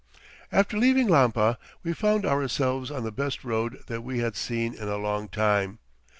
After leaving Lampa we found ourselves on the best road that we had seen in a long time.